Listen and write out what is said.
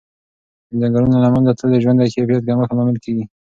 د ځنګلونو له منځه تلل د ژوند د کیفیت کمښت لامل کېږي.